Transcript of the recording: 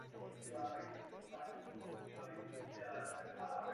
Při tomto útoku bylo zabito třicet sedm civilistů.